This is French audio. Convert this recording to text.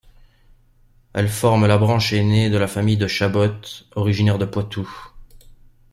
Elle forme la branche ainée de la famille de Chabot, originaire du Poitou.